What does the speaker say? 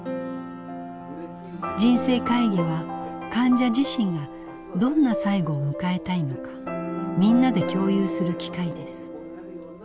人生会議は患者自身がどんな最期を迎えたいのかみんなで共有する機会です。